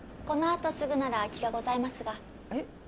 このあとすぐなら空きがございますがえっ？